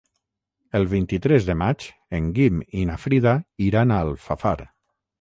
El vint-i-tres de maig en Guim i na Frida iran a Alfafar.